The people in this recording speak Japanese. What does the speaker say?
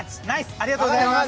ありがとうございます！